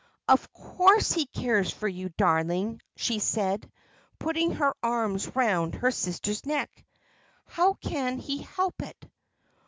"Of course he cares for you, darling," she said, putting her arms round her sister's neck. "How can he help it?